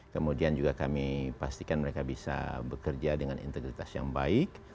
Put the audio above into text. kemudian juga kami pastikan mereka bisa bekerja dengan integritas yang baik